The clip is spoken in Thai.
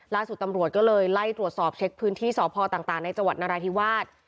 ล่าสุดตำรวจก็เลยไล่ตรวจสอบเช็คพื้นที่สพต่างในจังหวัดนราธิวาส